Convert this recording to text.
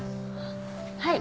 はい。